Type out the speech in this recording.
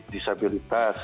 kalau ada disabilitas